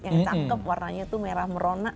yang cakep warnanya itu merah merona